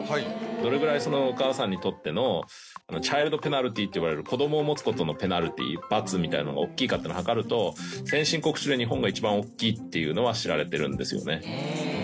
どれぐらいお母さんにとっての。っていわれる子どもを持つことのペナルティー罰みたいのがおっきいかっての測ると先進国中で日本が一番おっきいというのは知られてるんですよね。